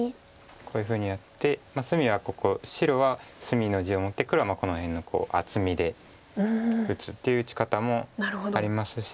こういうふうにやって隅はここ白は隅の地を持って黒はこの辺の厚みで打つっていう打ち方もありますし。